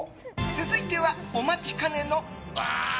続いては、お待ちかねの。